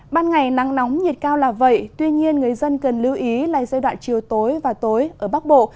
ban ngày nắng nóng nhiệt cao là vậy tuy nhiên người dân cần lưu ý là giai đoạn chiều tối và tối ở bắc bộ